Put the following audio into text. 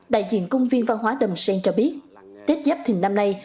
đại diện công viên văn hóa đàm sen cho biết tết chấp thình năm nay